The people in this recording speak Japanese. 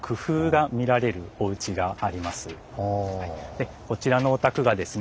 でこちらのお宅がですね